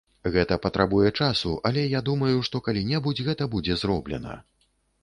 Гэта патрабуе часу, але я думаю, што калі-небудзь гэта будзе зроблена.